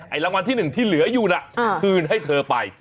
รางวัลที่๑ที่เหลืออยู่น่ะคืนให้เธอไป